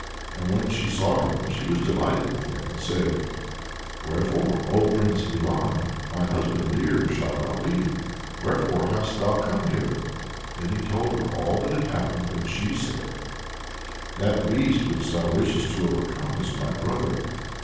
And when she saw him, she was delighted with him, and said: "Wherefore, O Prince Ivan my husband dear shalt thou be! wherefore hast thou come hither?" Then he told her all that had happened, and she said: "That beast which thou wishest to overcome is my brother.